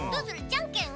じゃんけん？